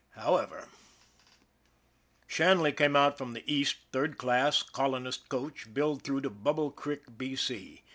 However Shanley came out from the East, third class, colonist coach, billed through to Bubble Creek, B. C.